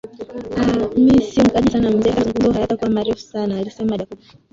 aah mimi sio mkaaji sana mzee hata mazungumzo hayatakua marefu sana alisema Jacob